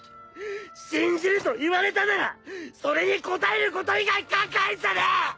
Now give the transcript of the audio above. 信じると言われたならそれに応えること以外考えんじゃねえ！！